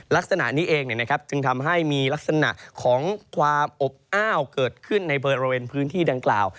ลักษณะนี้เองจึงทำให้มีลักษณะของความอบอ้าวเกิดขึ้นในบริเวณพื้นที่ดังกล่าว